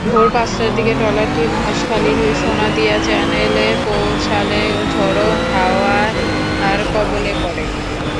ভোর পাঁচটার দিকে ট্রলারটি মহেশখালীর সোনাদিয়া চ্যানেলে পৌঁছালে ঝোড়ো হাওয়ার কবলে পড়ে।